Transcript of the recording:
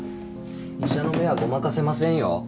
医者の目はごまかせませんよ。